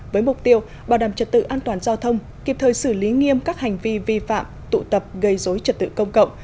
với mục tiêu bảo đảm trật tự an toàn giao thông kịp thời xử lý nghiêm các hành vi vi phạm tụ tập gây dối trật tự công cộng